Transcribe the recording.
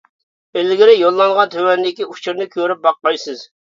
ئىلگىرى يوللانغان تۆۋەندىكى ئۇچۇرنى كۆرۈپ باققايسىز!